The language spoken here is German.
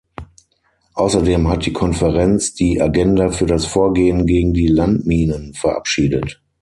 Außerdem hat die Konferenz die "Agenda für das Vorgehen gegen die Landminen" verabschiedet.